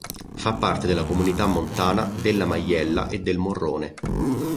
Fa parte della Comunità montana "della Maiella e del Morrone".